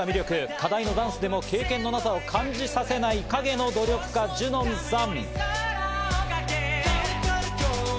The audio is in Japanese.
課題のダンスでも経験のなさを感じさせない影の努力家、ジュノンさん。